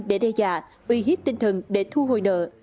để đe dọa uy hiếp tinh thần để thu hồi nợ